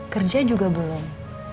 kerja juga belum